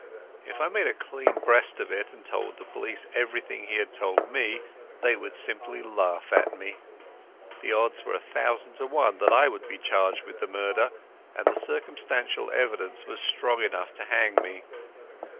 If I made a clean breast of it and told the police everything he had told me, they would simply laugh at me. The odds were a thousand to one that I would be charged with the murder, and the circumstantial evidence was strong enough to hang me.